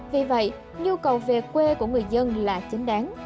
vì vậy nhu cầu về quê của người dân là chính đáng